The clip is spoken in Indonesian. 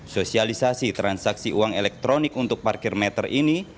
sosialisasi transaksi uang elektronik untuk parkir meter ini